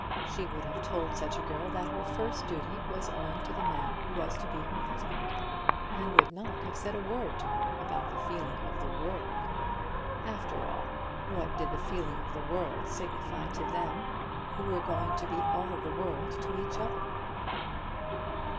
She would have told such girl that her first duty was owing to the man who was to be her husband, and would not have said a word to her about the feeling of the world. After all, what did the feeling of the world signify to them, who were going to be all the world to each other?